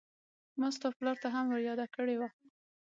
ما ستا پلار ته هم ور ياده کړې وه.